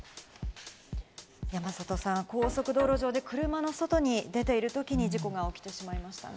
山里さん、高速道路上で車の外に出ているときに事故が起きてしまいましたね。